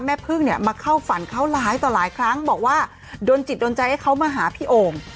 แม่พึ่งเนี่ยมาเข้าฝันเขาหลายต่อหลายครั้งบอกว่าโดนจิตโดนใจให้เขามาหาพี่โอ่ง